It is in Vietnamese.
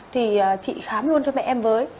thì chị khám luôn cho mẹ em với